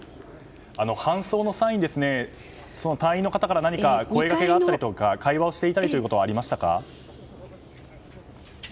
搬送の際に隊員の方から声がけがあったりとか会話をしていたりはありましたか？